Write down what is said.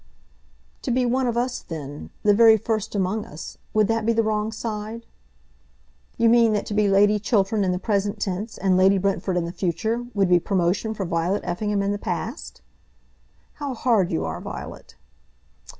"To be one of us, then, the very first among us; would that be the wrong side?" "You mean that to be Lady Chiltern in the present tense, and Lady Brentford in the future, would be promotion for Violet Effingham in the past?" "How hard you are, Violet!"